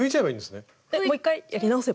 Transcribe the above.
でもう１回やり直せば。